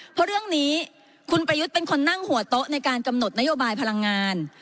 เพราะเรื่องนี้คุณประยุทธ์เป็นคนนั่งหัวโต๊ะในการกำหนดนโยบายพลังงาน